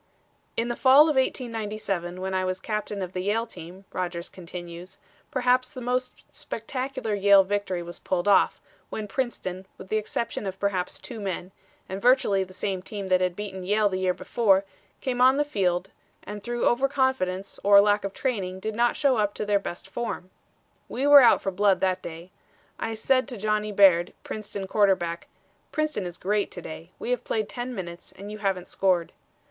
"In the fall of 1897 when I was captain of the Yale team," Rodgers continues, "perhaps the most spectacular Yale victory was pulled off, when Princeton, with the exception of perhaps two men, and virtually the same team that had beaten Yale the year before, came on the field and through overconfidence or lack of training did not show up to their best form. We were out for blood that day. I said to Johnny Baird, Princeton quarterback: 'Princeton is great to day. We have played ten minutes and you haven't scored.'